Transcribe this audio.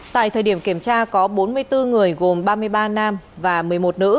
tại thời điểm kiểm tra có bốn mươi bốn người gồm ba mươi ba nam và một mươi một nữ